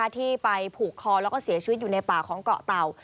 ที่ไปผูกคอแล้วก็เสียชีวิตอยู่ในป่าของเกาะเต่า